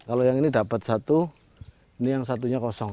kalau yang ini dapat satu ini yang satunya kosong